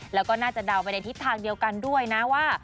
แล้วก็น่าจะเดาไปในทิศทางเดียวกันด้วยนะว่า